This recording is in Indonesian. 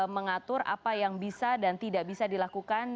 mengatur apa yang bisa dan tidak bisa dilakukan